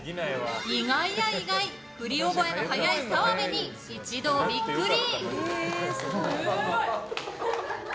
意外や意外、振り覚えの早い澤部に一同ビックリ。